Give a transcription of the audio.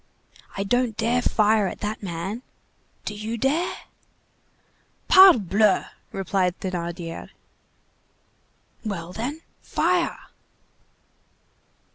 I don't dare fire at that man. Do you dare?" "Parbleu!" replied Thénardier. "Well, then, fire."